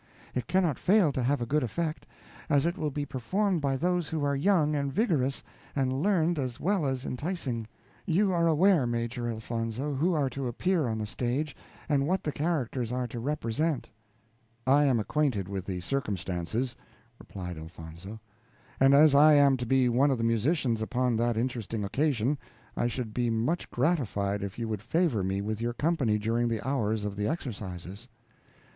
It cannot fail to have a good effect, as it will be performed by those who are young and vigorous, and learned as well as enticing. You are aware, Major Elfonzo, who are to appear on the stage, and what the characters are to represent." "I am acquainted with the circumstances," replied Elfonzo, "and as I am to be one of the musicians upon that interesting occasion, I should be much gratified if you would favor me with your company during the hours of the exercises."